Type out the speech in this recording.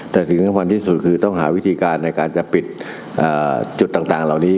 แต่สิ่งสำคัญที่สุดคือต้องหาวิธีการในการจะปิดจุดต่างเหล่านี้